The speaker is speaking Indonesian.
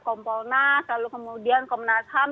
kompolnas lalu kemudian komnas ham